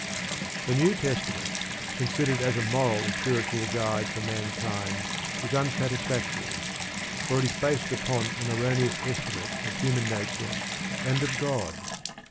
The New Testament, considered as a moral and spiritual guide for mankind, is unsatisfactory. For it is based upon an erroneous estimate of human nature and of God.